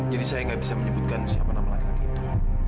jadi saya gak bisa menyebutkan siapa nama laki laki itu